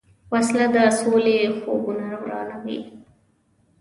وسله د سولې خوبونه ورانوي